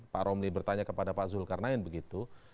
pak romli bertanya kepada pak zulkarnain begitu